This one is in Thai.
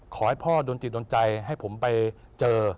ขอให้พ่อโดนจิตโดนใจให้ผมไปเจอ